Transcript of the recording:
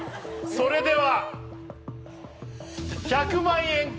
それでは１００万円か？